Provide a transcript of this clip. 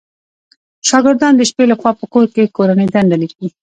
شاګردان د شپې لخوا په کور کې کورنۍ دنده ليکئ